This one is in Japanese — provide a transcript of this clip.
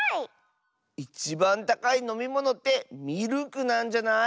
いちばんたかいのみものってミルクなんじゃない？